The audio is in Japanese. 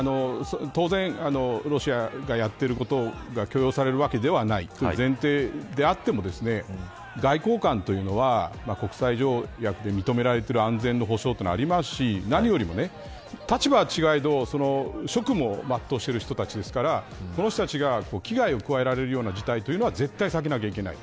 当然、ロシアがやっていることが許容されるわけではない。という前提であっても外交官というのは国際条約で認められている安全の保障というのがありますし、何よりも何よりも立場は違えど職務を全うしている人たちですからこの人たちが危害を加えられるような事態というのは絶対に避けないといけない。